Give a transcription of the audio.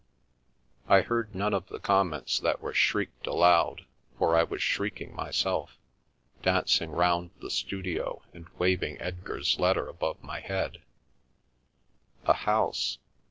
I heard none of the comments that were shrieked aloud, for I was shrieking myself, dancing round the studio and waving Edgar's letter above my head A house!